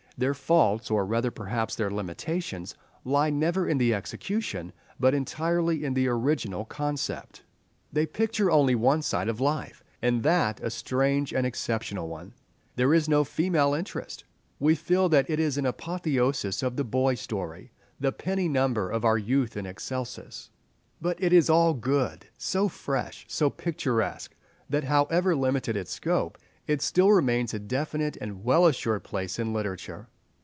Their faults, or rather perhaps their limitations, lie never in the execution, but entirely in the original conception. They picture only one side of life, and that a strange and exceptional one. There is no female interest. We feel that it is an apotheosis of the boy story—the penny number of our youth in excelsis. But it is all so good, so fresh, so picturesque, that, however limited its scope, it still retains a definite and well assured place in literature.